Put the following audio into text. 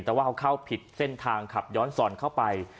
แต่ว่าเขาเข้าผิดเส้นทางขับย้อนสอนเข้าไป